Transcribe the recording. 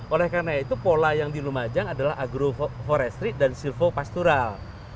oleh karena itu pola yang di lumajang adalah agroforestry dan silvopastural